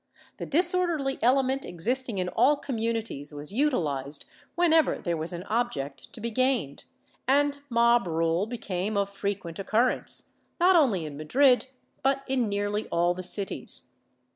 The disorderly element existing in all communities was utilized w^henever there was an object to be gained, and mob rule became of frequent occurrence, not only in Madrid but in nearly all the cities.